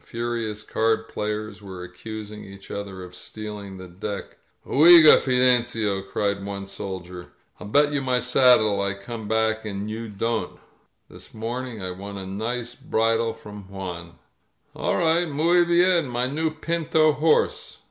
Furious card players were accusing each other of stealing the deck. Oiga, Fidencio!" cried one soldier. "Fll bet you 246 A NIGHT ATTACK my saddle I come back and you don't! This morning I won a nice bridle from Juan ^" "All right ! Mwy bien! My new pinto horse.